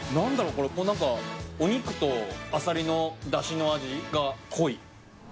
これ何かお肉とあさりのだしの味が濃い。